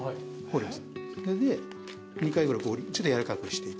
それで２回ぐらいちょっとやわらかくしていただいて。